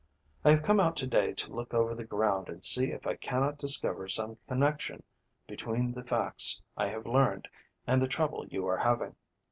I have come out to day to look over the ground and see if I cannot discover some connection between the facts I have learned and the trouble you are having.